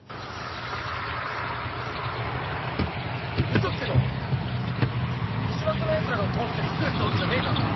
言っとくけど市松のやつらが怖くて隠れてたわけじゃねえからな。